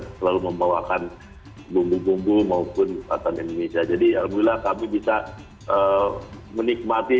selalu membawakan bumbu bumbu maupun indonesia jadi alhamdulillah kami bisa menikmati